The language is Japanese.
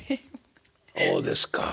そうですかあ。